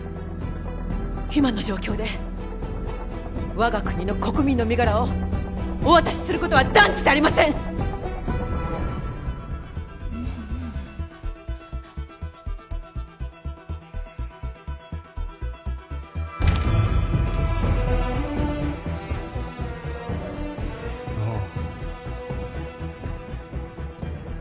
今の状況で我が国の国民の身柄をお渡しすることは断じてありませんノウあ